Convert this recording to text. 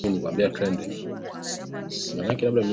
Nataka kumtongoza kijana huyo